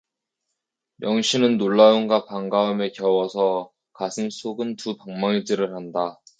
영신은 놀라움과 반가움에 겨워서 가슴속은 두방망이질을 한다.